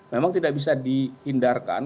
memang tidak bisa dihindarkan